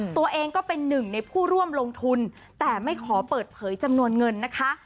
ตัวเองก็เป็นหนึ่งในผู้ร่วมลงทุนแต่ไม่ขอเปิดเผยจำนวนเงินนะคะ